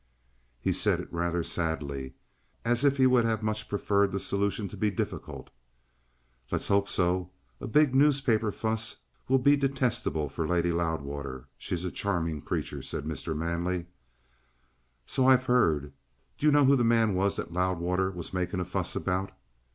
He said it rather sadly, as if he would have much preferred the solution to be difficult. "Let's hope so. A big newspaper fuss will be detestable for Lady Loudwater. She's a charming creature," said Mr. Manley. "So I've heard. Do you know who the man was that Loudwater was making a fuss about?"